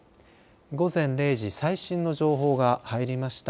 午前０時、最新の情報が入りました。